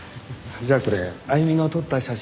じゃあこれあゆみの撮った写真。